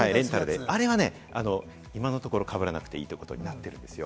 あれは今のところ、かぶらなくていいということになっています。